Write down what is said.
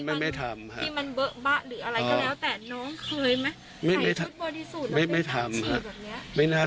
ไม่เคยไม่มีไม่มี